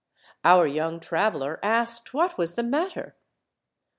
Our young traveler asked what was the matter.